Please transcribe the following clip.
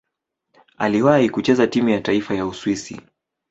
Aliwahi kucheza timu ya taifa ya Uswisi.